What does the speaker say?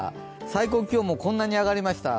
最高気温も、こんなに上がりました